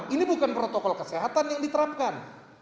ini bukan protokol kesehatan yang diterapkan